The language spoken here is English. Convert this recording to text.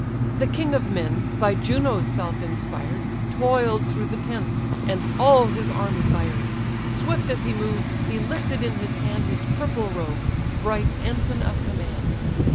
The king of men, by Juno's self inspired, Toil'd through the tents, and all his army fired. Swift as he moved, he lifted in his hand His purple robe, bright ensign of command.